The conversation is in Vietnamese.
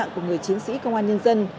giống sĩ công an nhân dân